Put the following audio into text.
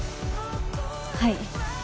はい。